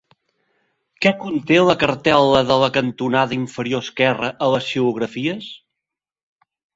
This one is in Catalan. Què conté la cartel·la de la cantonada inferior esquerra en les xilografies?